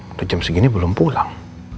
itu jam segini belum pulang